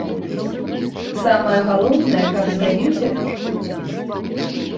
Самае галоўнае, каб з'явіўся такі футбаліст.